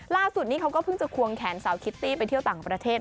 ล่าสุดนี้เขาก็เพิ่งจะควงแขนสาวคิตตี้ไปเที่ยวต่างประเทศ